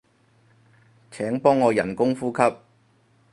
請幫我人工呼吸